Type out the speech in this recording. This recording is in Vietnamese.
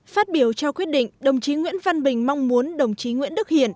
phát biểu trao quyết định đồng chí nguyễn văn bình mong muốn đồng chí nguyễn đức hiển